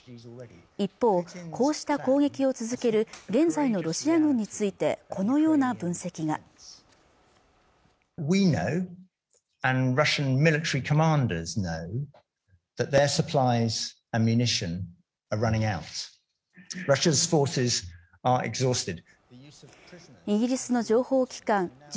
一方こうした攻撃を続ける現在のロシア軍についてこのような分析がイギリスの情報機関